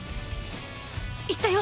行ったよ！